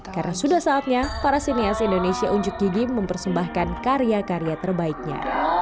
karena sudah saatnya para sinias indonesia unjuk gigi mempersembahkan karya karya terbaiknya